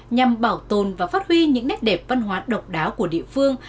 nhằm bảo tồn và phát huy những nét đẹp văn hóa độc đáo của địa phương